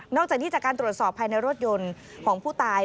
จากนี้จากการตรวจสอบภายในรถยนต์ของผู้ตาย